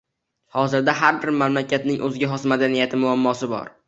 Hozirda har bir mamlakatning oʻziga xos madaniyati, muammosi bor